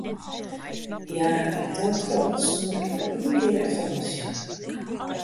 Hja rinne gau troch, sonder ek mar ien kear efterom te sjen.